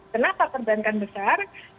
kenapa perbankan besar